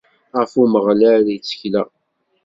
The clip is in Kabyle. Ɣef Umeɣlal i ttekleɣ.